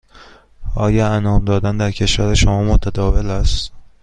آیا انعام دادن در کشور شما متداول است؟